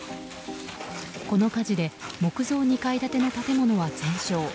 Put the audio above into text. この火事で木造２階建ての建物は全焼。